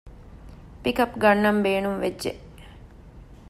ޕިކަޕް ގަންނަން ބޭނުންވެއްޖެ